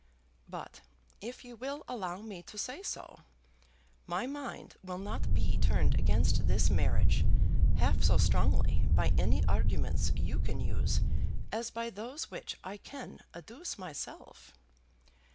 "But, if you will allow me to say so, my mind will not be turned against this marriage half so strongly by any arguments you can use as by those which I can adduce myself.